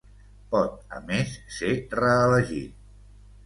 Pot, a més, ser reelegit.